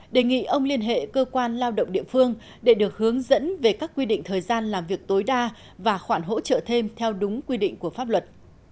đề nghị ông liên hệ cơ quan lao động địa phương để được hướng dẫn về các quy định thời gian làm việc tối đa và khoản hỗ trợ thêm theo đúng quy định của pháp luật